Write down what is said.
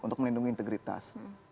untuk melindungi integritas